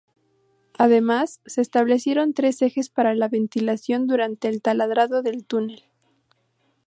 Además, se establecieron tres ejes para la ventilación durante el taladrado del túnel.